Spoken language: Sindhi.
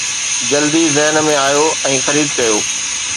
جلدي ذهن ۾ آيو ۽ خريد ڪيو